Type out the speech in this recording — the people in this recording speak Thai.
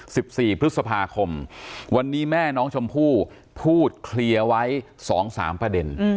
สิบสี่พฤษภาคมวันนี้แม่น้องชมพู่พูดเคลียร์ไว้สองสามประเด็น